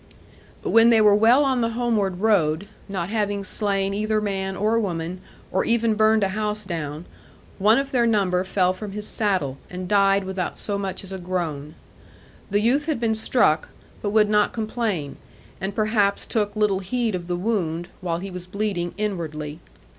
But when they were well on the homeward road, not having slain either man or woman, or even burned a house down, one of their number fell from his saddle, and died without so much as a groan. The youth had been struck, but would not complain, and perhaps took little heed of the wound, while he was bleeding inwardly.